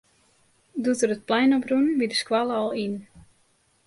Doe't er it plein op rûn, wie de skoalle al yn.